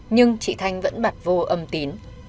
nhưng chị thanh vẫn bặt vô âm tín